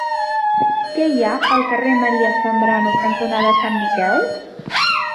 Què hi ha al carrer María Zambrano cantonada Sant Miquel?